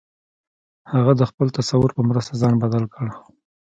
هغه د خپل تصور په مرسته ځان بدل کړ